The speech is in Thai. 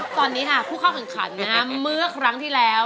ตอนนี้ค่ะผู้เข้าแข่งขันเมื่อครั้งที่แล้ว